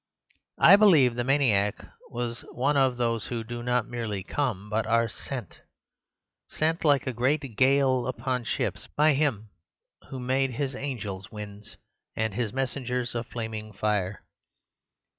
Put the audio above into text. I believe the maniac was one of those who do not merely come, but are sent; sent like a great gale upon ships by Him who made His angels winds and His messengers a flaming fire.